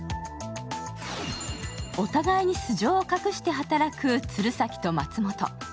お互いに素性を隠して働く鶴崎と松本。